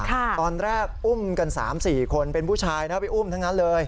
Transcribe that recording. ตอนแรกอุ้มกัน๓๔คนเป็นผู้ชายนะไปอุ้มทั้งนั้นเลย